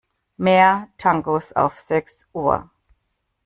Mehr Tangos auf sechs Uhr.